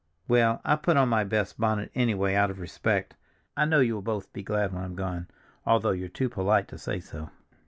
Well, I put on my best bonnet, anyway, out of respect—I know you will both be glad when I'm gone, although you're too polite to say so."